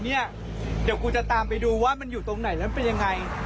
เดี๋ยวกูจะตามไปดูว่ามันอยู่ตรงไหนแล้วมันเป็นยังไง